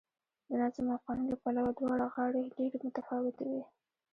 د نظم او قانون له پلوه دواړه غاړې ډېرې متفاوتې وې